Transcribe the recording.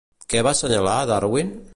Què va assenyalar Darwin?